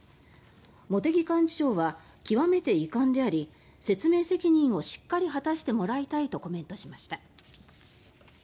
茂木幹事長は極めて遺憾であり説明責任をしっかり果たしてもらいたいとコメントしました。